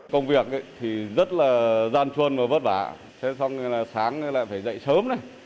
công việc rất là gian chuôn và vất vả sáng lại phải dậy sớm